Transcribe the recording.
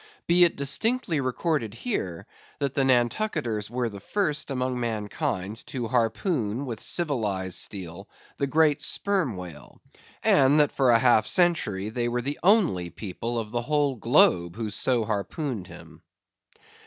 Be it distinctly recorded here, that the Nantucketers were the first among mankind to harpoon with civilized steel the great Sperm Whale; and that for half a century they were the only people of the whole globe who so harpooned him.